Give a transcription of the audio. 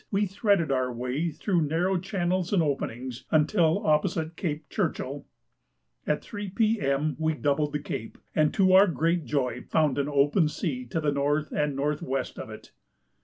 we threaded our way, through narrow channels and openings, until opposite Cape Churchill. At 3 P.M. we doubled the cape, and to our great joy found an open sea to the north and north west of it.